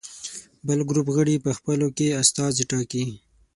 بل ګروپ غړي په خپلو کې استازي ټاکي.